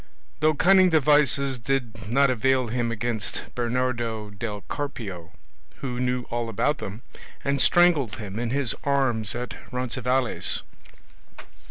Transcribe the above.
Though cunning devices did not avail him against Bernardo del Carpio, who knew all about them, and strangled him in his arms at Roncesvalles.